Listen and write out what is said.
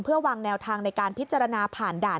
เพื่อวางแนวทางในการพิจารณาผ่านด่าน